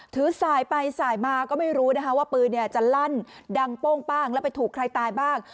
ถือสายไปสายมาก็ไม่รู้นะคะว่าปืนจะลั่นดังโป้งป้างแล้วไปถูกใครตายบ้าง